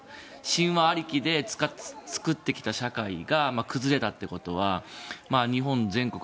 神話ありきで作ってきた社会が崩れたということは日本全国